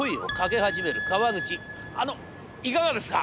『あのいかがですか！